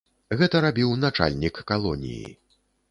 Гэта рабіў начальнік калоніі.